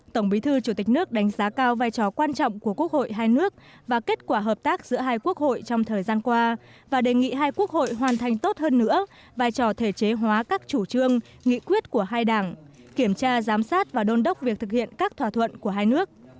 tổng bí thư chủ tịch nước đánh giá cao vai trò quan trọng của quốc hội hai nước và kết quả hợp tác giữa hai quốc hội trong thời gian qua và đề nghị hai quốc hội hoàn thành tốt hơn nữa vai trò thể chế hóa các chủ trương nghị quyết của hai đảng kiểm tra giám sát và đôn đốc việc thực hiện các thỏa thuận của hai nước